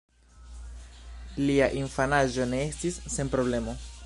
Lia infanaĝo ne estis sen problemo.